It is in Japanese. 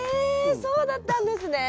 そうだったんですね。